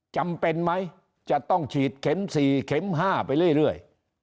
จำเป็นไหมจะต้องฉีดเข็ม๔เข็ม๕ไปเรื่อย